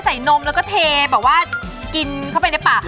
นมแล้วก็เทแบบว่ากินเข้าไปในปาก